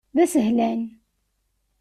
D asehlan.